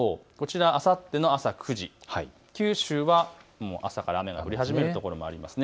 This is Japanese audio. あさっての朝９時、九州は朝から雨が降り始めるところもありますね。